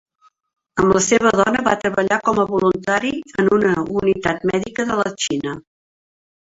Amb la seva dona, va treballar com a voluntari en una unitat mèdica de la Xina.